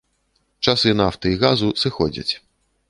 Часы нафты і газу сыходзяць.